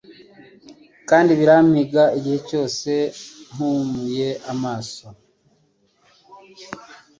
Kandi birampiga igihe cyose mpumuye amaso